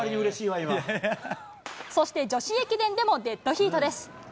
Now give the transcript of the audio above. そして、女子駅伝でもデッドヒートです。